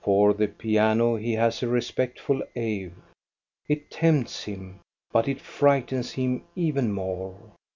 For the piano he has a respectful awe. It tempts him, but it frightens him even more.